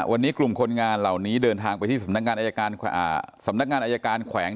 วันนี้กลุ่มคนงานเหล่านี้เดินทางไปที่สำนักงานอายการแขวง